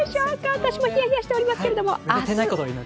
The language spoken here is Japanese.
私もひやひやしておりますけれども。